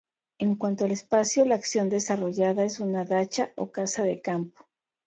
En cuanto al espacio, la acción desarrollada en una "dacha," o casa de campo.